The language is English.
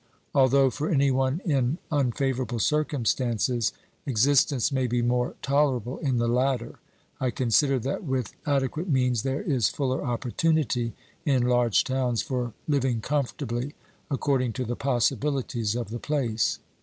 Although for any one in unfavourable circumstances existence may be more tolerable in the latter, I consider that with ade quate means there is fuller opportunity in large towns for living comfortably according to the possibilities of the place.